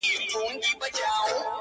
له زلمو شونډو موسكا ده كوچېدلې-